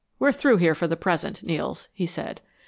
"We're through here for the present, Nels," he said.